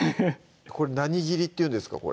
これ何切りっていうんですか？